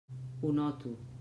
Ho noto.